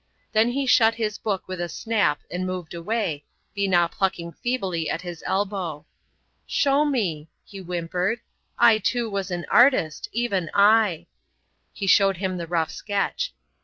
Then he shut his book with a snap and moved away, Binat plucking feebly at his elbow. "Show me," he whimpered. "I too was once an artist, even I!" Dick showed him the rough sketch.